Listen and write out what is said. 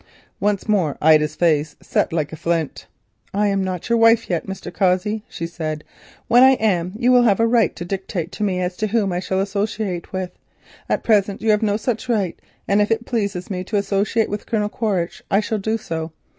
Once more Ida's face set like a flint. "I am not your wife yet, Mr. Cossey," she said; "when I am you will have a right to dictate to me as to whom I shall associate with. At present you have no such right, and if it pleases me to associate with Colonel Quaritch, I shall do so.